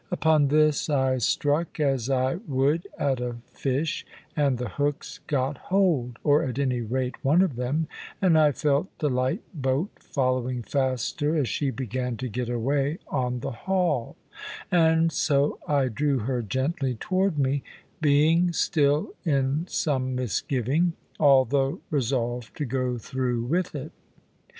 Upon this I struck as I would at a fish, and the hooks got hold (or at any rate one of them), and I felt the light boat following faster as she began to get way on the haul; and so I drew her gently toward me, being still in some misgiving, although resolved to go through with it.